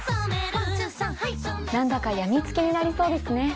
１２３はい何だか病みつきになりそうですね。